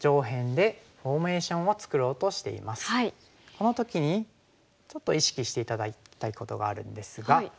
この時にちょっと意識して頂きたいことがあるんですが。